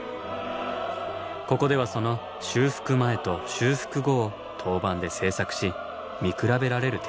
ここではその修復前と修復後を陶板で製作し見比べられる展示に。